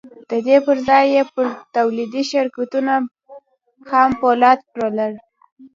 د دې پر ځای یې پر تولیدي شرکتونو خام پولاد پلورل